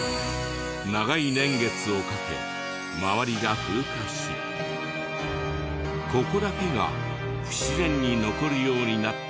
長い年月をかけ周りが風化しここだけが不自然に残るようになったと考えられる。